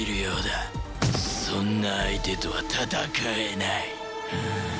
そんな相手とは戦えない。